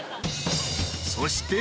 ［そして］